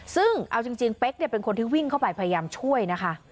ซึ่งเอาจริงเป๊กเป็นคนที่วิ่งเข้าไปพยายามช่วยนะคะ